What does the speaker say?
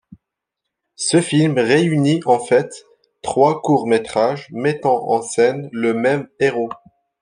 Ce film réunit en fait trois courts métrages mettant en scène le même héros.